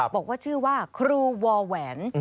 บอกว่าชื่อว่าครูวอแหวน